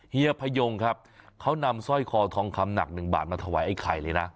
เฮีพยงครับเขานำสร้อยคอทองคำหนักหนึ่งบาทมาถวายไอ้ไข่เลยนะ